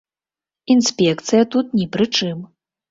Інспекцыя тут ні пры чым.